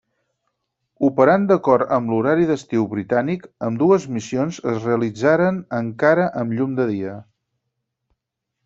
Operant d'acord amb l'horari d'estiu britànic, ambdues missions es realitzaren encara amb llum de dia.